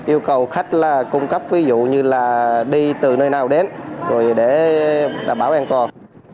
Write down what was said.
yêu cầu khách là cung cấp ví dụ như là đi từ nơi nào đến rồi để đảm bảo an toàn